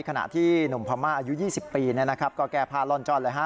ขณะที่หนุ่มพม่าอายุ๒๐ปีก็แก้ผ้าล่อนจ้อนเลยฮะ